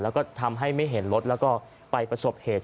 แล้วก็ทำให้ไม่เห็นรถแล้วก็ไปประสบเหตุ